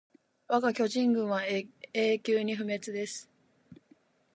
わが巨人軍は永久に不滅です